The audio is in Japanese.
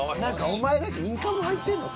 お前だけインカム入ってんの？